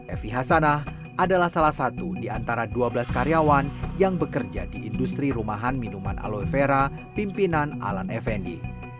evi hasanah adalah salah satu di antara dua belas karyawan yang bekerja di industri rumahan minuman aloevera pimpinan alan effendi